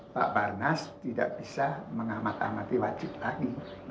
pak barnas tidak bisa mengamati amati wajib tadi